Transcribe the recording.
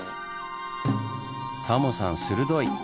タモさん鋭い！